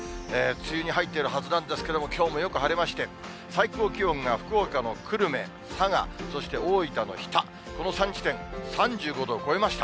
梅雨に入っているはずなんですけど、きょうもよく晴れまして、最高気温が福岡の久留米、佐賀、そして大分の日田、この３地点、３５度を超えました。